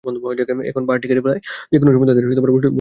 এখন পাহাড়টি কেটে ফেলায় যেকোনো সময় তাঁদের বসতবাড়ি ধসে পড়তে পারে।